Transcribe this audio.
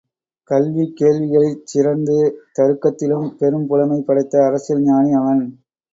கல்வி கேள்விகளிற் சிறந்து தருக்கத்திலும் பெரும் புலமை படைத்த அரசியல் ஞானி அவன்.